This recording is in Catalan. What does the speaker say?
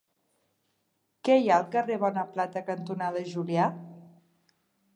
Què hi ha al carrer Bonaplata cantonada Julià?